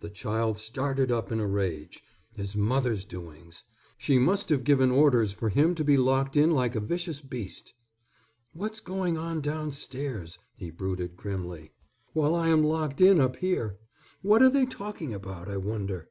The child started up in a rage. His mother's doings! She must have given orders for him to be locked in like a vicious beast. "What's going on downstairs," he brooded grimly, "while I am locked in up here? What are they talking about, I wonder?